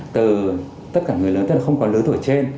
từ tất cả người lớn tức là không có lứa tuổi trên